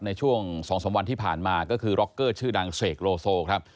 ในช่วง๒๓วันที่ผ่านมาก็คือร็อกเกอร์ชื่อดังเสกโลโซครับ